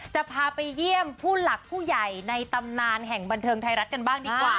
จะพาไปเยี่ยมผู้หลักผู้ใหญ่ในตำนานแห่งบันเทิงไทยรัฐกันบ้างดีกว่า